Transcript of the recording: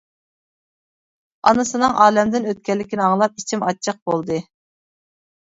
ئانىسىنىڭ ئالەمدىن ئۆتكەنلىكىنى ئاڭلاپ ئىچىم ئاچچىق بولدى.